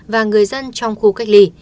và người dân trong khu cách ly